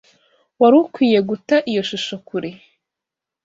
Wari ukwiye guta iyo shusho kure.